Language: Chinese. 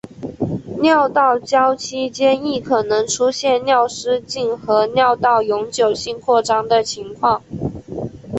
尿道交期间亦可能出现尿失禁和尿道永久性扩张的情况。